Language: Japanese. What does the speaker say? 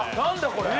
これ。